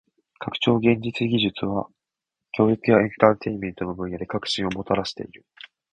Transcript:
拡張現実技術は教育やエンターテインメントの分野で革新をもたらしている。